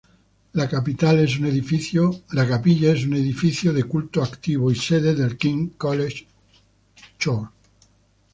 La capilla es un edificio de culto activo y sede del King's College Choir.